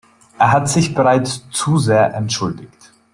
Er hat sich bereits zu sehr entschuldigt“.